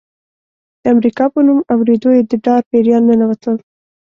د امریکا په نوم اورېدو یې د ډار پیریان ننوتل.